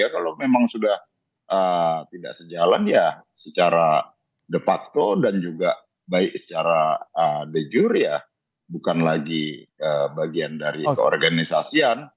kalau memang sudah tidak sejalan ya secara de facto dan juga baik secara de jure bukan lagi bagian dari keorganisasian